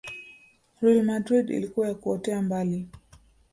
Real Madrid ilikuwa ya kuotea mbali